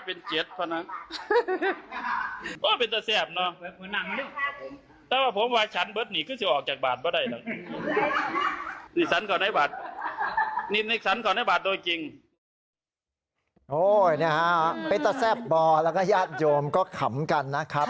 โอ้โหนี่ฮะเบ๊ตเซ็บบอลแล้วก็ญาติโยมก็ขำกันนะครับ